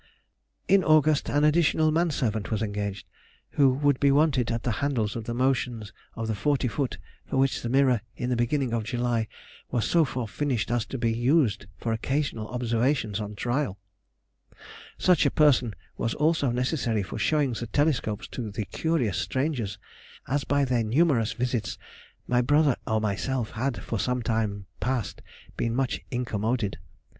In August an additional man servant was engaged, who would be wanted at the handles of the motions of the forty foot, for which the mirror in the beginning of July was so far finished as to be used for occasional observations on trial. [Sidenote: 1786 1787. Slough—Appointed Assistant Astronomer.] Such a person was also necessary for showing the telescopes to the curious strangers, as by their numerous visits my brother or myself had for some time past been much incommoded.